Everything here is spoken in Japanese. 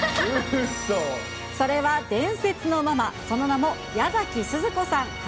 それは伝説のママ、矢崎すず子さん